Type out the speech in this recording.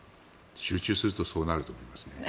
集中するとそうなるかなと思いますね。